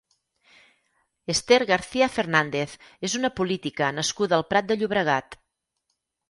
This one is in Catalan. Esther García Fernández és una política nascuda al Prat de Llobregat.